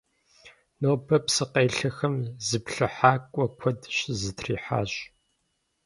Нобэ псыкъелъэхэм зыплъыхьакӀуэ куэд щызэтрихьащ.